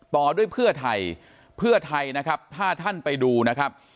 ต่อด้วยเพื่อไทยเพื่อไทยนะครับถ้าท่านไปดูนะครับ